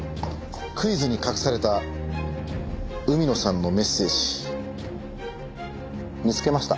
クイズに隠された海野さんのメッセージ見つけました。